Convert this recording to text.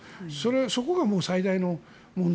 そこが最大の問題。